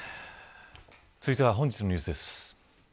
続いては本日のニュースです。